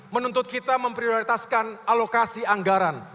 menuntut kita memprioritaskan alokasi anggaran